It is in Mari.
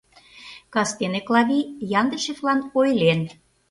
Кастене Клавий Яндышевлан ойлен: